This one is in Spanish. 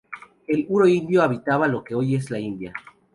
El uro indio habitaba lo que hoy es la India.